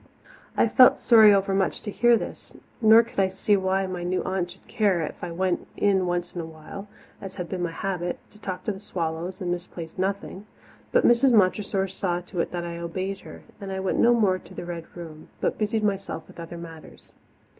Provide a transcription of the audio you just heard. I felt sorry overmuch to hear this, nor could I see why my new aunt should care if I went in once in a while, as had been my habit, to talk to the swallows and misplace nothing. But Mrs. Montressor saw to it that I obeyed her, and I went no more to the Red Room, but busied myself with other matters.